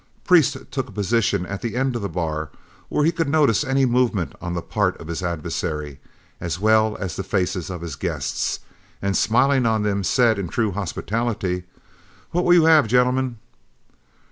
Priest took a position at the end of the bar, where he could notice any movement on the part of his adversary as well as the faces of his guests, and smiling on them, said in true hospitality, "What will you have, gentlemen?"